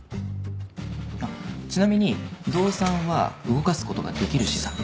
あっちなみに動産は動かす事ができる資産。